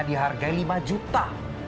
dihargai lima juta